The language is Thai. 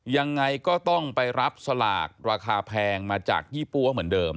ยังไงก็ต้องไปรับสลากราคาแพงมาจากยี่ปั๊วเหมือนเดิม